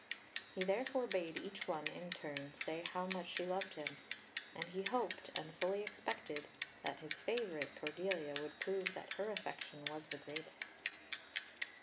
He therefore bade each one in turn say how much she loved him, and he hoped, and fully expected, that his favourite, Cordelia, would prove that her affection was the greatest.